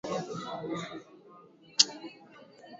titanic ilikuwa meli kubwa kuliko meli zote duniani